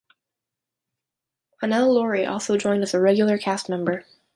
Hannele Lauri also joined as a regular cast-member.